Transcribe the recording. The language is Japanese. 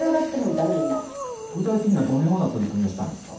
具体的にはどのような取り組みをしたんですか？